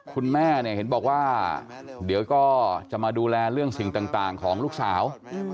คุณแม่เนี่ยเห็นบอกว่าเดี๋ยวก็จะมาดูแลเรื่องสิ่งต่างของลูกสาว